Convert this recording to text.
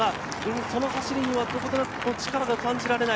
その走りにはどことなく力が感じられない、